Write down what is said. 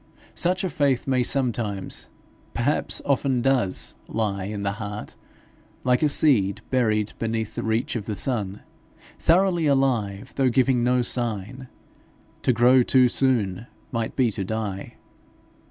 Such a faith may sometimes, perhaps often does, lie in the heart like a seed buried beyond the reach of the sun, thoroughly alive though giving no sign: to grow too soon might be to die.